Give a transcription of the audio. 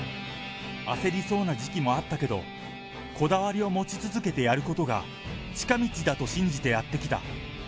焦りそうな時期もあったけど、こだわりを持ち続けてやることが近道だと信じてやってきた。